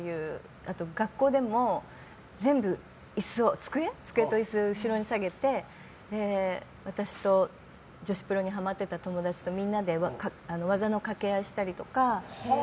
あと学校でも全部机と椅子を後ろに下げて私と女子プロにハマってた友達とみんなで技のかけ合いしたりとか。